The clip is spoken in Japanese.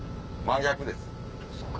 真逆です。